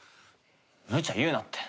むちゃ言うなって。